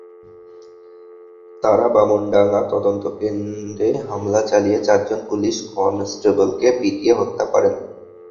তাঁরা বামনডাঙ্গা তদন্তকেন্দ্রে হামলা চালিয়ে চারজন পুলিশ কনস্টেবলকে পিটিয়ে হত্যা করেন।